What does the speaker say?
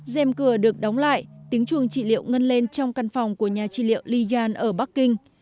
dèm cửa được đóng lại tiếng chuồng trị liệu ngân lên trong căn phòng của nhà trị liệu li yuan ở bắc kinh